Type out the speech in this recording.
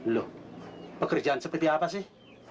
loh pekerjaan seperti apa sih